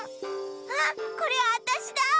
あっこれあたしだ！